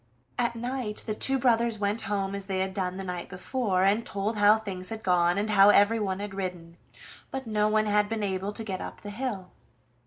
At night the two brothers went home as they had done the night before, and told how things had gone, and how everyone had ridden, but no one had been able to get up the hill.